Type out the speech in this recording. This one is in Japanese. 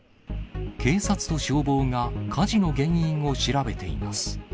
警察と消防が火事の原因を調べています。